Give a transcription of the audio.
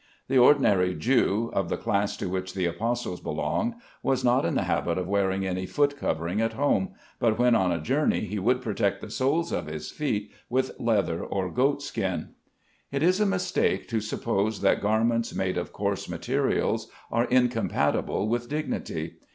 The ordinary Jew, of the class to which the apostles belonged, was not in the habit of wearing any foot covering at home, but when on a journey he would protect the soles of his feet with leather or goat skin. It is a mistake to suppose that garments made of coarse materials are incompatible with dignity.